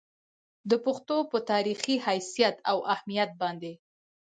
د پښتو پۀ تاريخي حېثيت او اهميت باندې